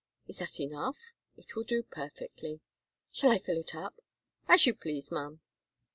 "Is that enough?" "It will do perfectly." "Shall I fill it up?" "As you please, ma'am."